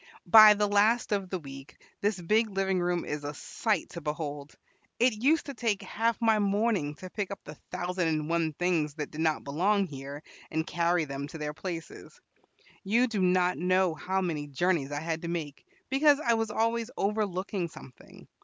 By the last of the week this big living room is a sight to behold. It used to take half my morning to pick up the thousand and one things that did not belong here, and carry them to their places. You do not know how many journeys I had to make, because I was always overlooking something.